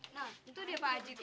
nah itu dia pak haji tuh